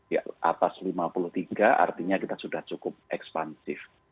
ya atas lima puluh tiga artinya kita sudah cukup ekspansif